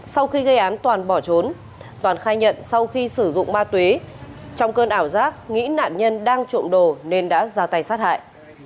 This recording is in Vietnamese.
sau khi gây án toàn bỏ trốn toàn khai nhận sau khi sử dụng ma túy trong cơn ảo giác nghĩ nạn nhân đang trộm đồ nên đã ra tay sát hại